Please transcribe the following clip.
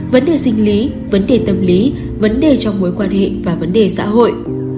vấn đề sinh lý vấn đề tâm lý vấn đề trong mối quan hệ và vấn đề xã hội